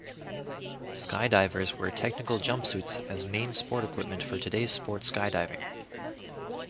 Skydivers wear technical jumpsuits as main sport equipment for today's sport skydiving.